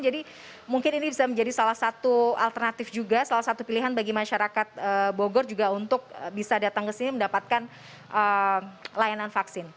jadi mungkin ini bisa menjadi salah satu alternatif juga salah satu pilihan bagi masyarakat bogor juga untuk bisa datang ke sini mendapatkan layanan vaksin